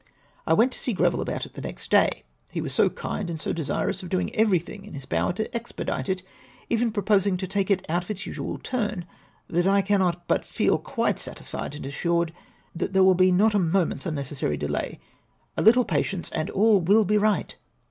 " I went to see Gfreville about it the next day — he was so kind and so desirous of doing everything in liis power to ex pedite it, even proposing to take it out of its usual turn, that I cannot but feel quite satisfied and assured that there will be not a moment's unnecessary delay. A little patience and all will be right.